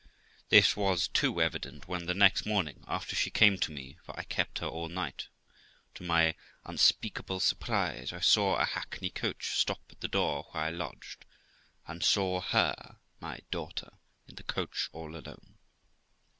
This was too evident when, the next morning after she came to me (for I kept her all night), to my unspeakable surprise I saw a hackney coach stop at the door where I lodged, and saw her (my daughter) in the coach all alone.